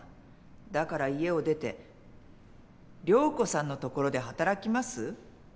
だから家を出て涼子さんの所で働きます」？